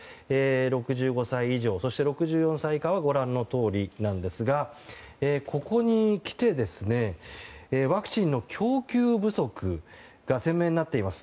６５歳以上、そして６４歳以下はご覧のとおりなんですがここに来てワクチンの供給不足が鮮明になっています。